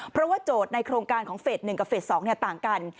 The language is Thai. เพราะว่าโจทย์ในโครงการของเฟส๑กับเฟส๒ต่างกัน